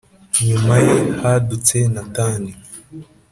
Nyuma ye, hadutse Natani,